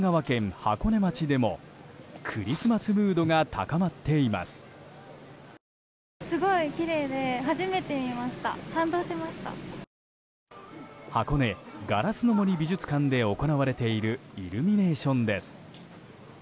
箱根ガラスの森美術館で行われているイルミネーションです。